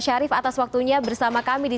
syarif atas waktunya bersama kami di